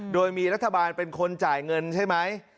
โดยมีรัฐบาลเป็นคนจ่ายเงินใช่ไหม